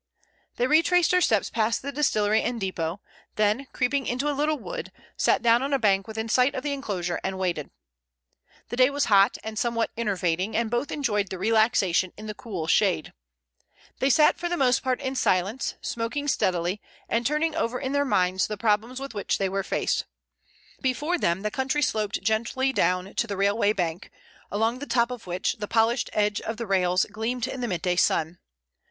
They retraced their steps past the distillery and depot, then creeping into a little wood, sat down on a bank within sight of the enclosure and waited. The day was hot and somewhat enervating, and both enjoyed the relaxation in the cool shade. They sat for the most part in silence, smoking steadily, and turning over in their minds the problems with which they were faced. Before them the country sloped gently down to the railway bank, along the top of which the polished edges of the rails gleamed in the midday sun.